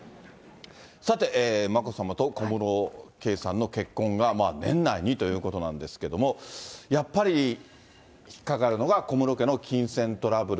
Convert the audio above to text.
さて、まこさまと小室圭さんの結婚が年内にということなんですけれども、やっぱり、引っ掛かるのが小室家の金銭トラブル。